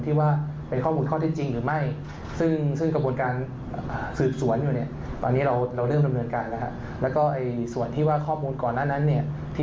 ที่ว่าเป็นข้อมูลข้อที่จริงหรือไม่ซึ่งกระบวนการสืบสวนอยู่เนี่ย